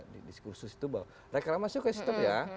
di diskusi itu bahwa reklamasinya kaya sitop ya